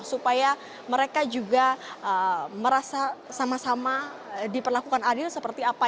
supaya mereka juga merasa sama sama diperlakukan adil seperti apa